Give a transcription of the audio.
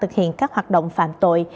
thực hiện các hoạt động phạm tội